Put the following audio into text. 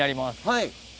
はい。